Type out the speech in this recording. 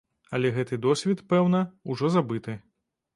Але гэты досвед, пэўна, ужо забыты.